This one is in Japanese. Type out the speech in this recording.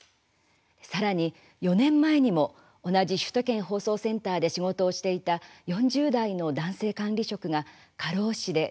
さらに４年前にも同じ首都圏放送センターで仕事をしていた４０代の男性管理職が過労死で亡くなりました。